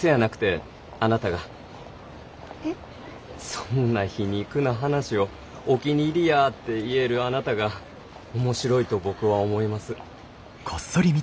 そんな皮肉な話をお気に入りやて言えるあなたが面白いと僕は思います。